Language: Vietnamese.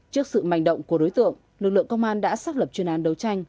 trước sự manh động của đối tượng lực lượng công an đã xác lập chuyên án đấu tranh